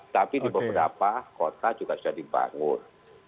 tapi di beberapa kota juga sudah dibangun